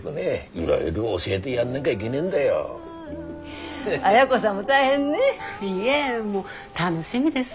いえもう楽しみです。